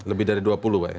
lebih dari dua puluh pak ya